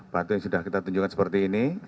batu yang sudah kita tunjukkan seperti ini